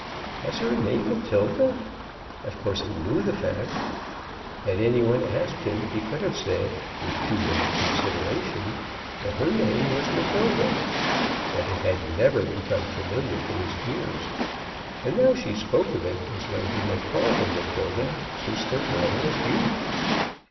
Was her name Matilda? Of course he knew the fact. Had any one asked him he could have said, with two minutes' consideration, that her name was Matilda. But it had never become familiar to his ears, and now she spoke of it as though he had called her Matilda since their earliest youth.